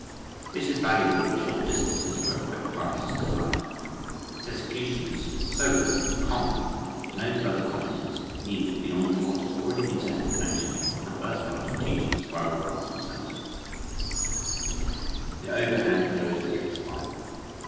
This is valuable for short distances where a quick pass is desired. Its execution is so easy and common that no further comment is needed beyond what has already been said in connection with the first part of teaching the spiral pass from center, (page 6). THE OVERHAND CLOSED GRIP SPIRAL.